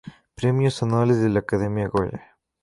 Premios Anuales de la Academia "Goya"